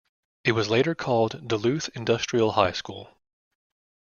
It was later called Duluth Industrial High School.